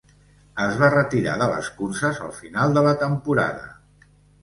Es va retirar de les curses al final de la temporada.